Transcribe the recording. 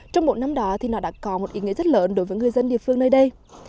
trong một năm đó thì nó đã có một ý nghĩa rất lớn đối với người dân địa phương nơi đây